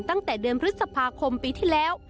ตั้งแต่เดือนพฤษภาคมปีที่แล้ว